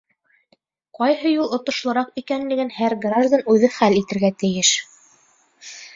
Ҡайһы юл отошлораҡ икәнлеген һәр граждан үҙе хәл итергә тейеш.